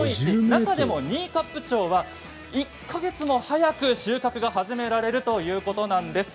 中でも新冠町は、１か月も早く収穫が始められるということなんです。